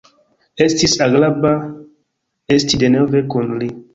Estis agrabla esti denove kun li.